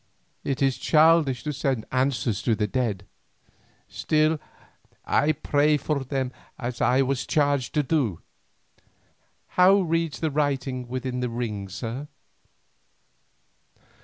"It is childish to send answers to the dead." "Still I pray for them as I was charged to do." "How reads the writing within this ring, sir?"